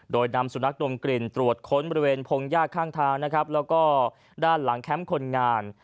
โดยนำสุนัขดมกลิ่นตรวจค้นบริเวณพงยากข้างทางนะครับแล้วก็ด้านหลังแคมป์คนงาน